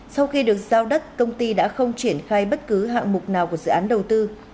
sau khi được giao đất công ty đã không triển khai bất cứ hạng mục nào của dự án đầu tư